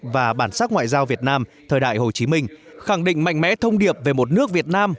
và bản sắc ngoại giao việt nam thời đại hồ chí minh khẳng định mạnh mẽ thông điệp về một nước việt nam